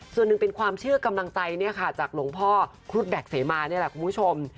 ส่วนหนึ่งเป็นความเชื่อกำลังใจเนี่ยค่ะจากหลวงพ่อครุฑแบ็คเสมานี่แหละคุณผู้ชม